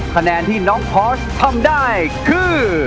คะแนนที่น้องพอสทำได้คือ